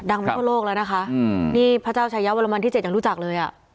ดังมาทั่วโลกแล้วนะคะนี่พระเจ้าชายเยาวรมันที่๗ยังรู้จักเลยอะ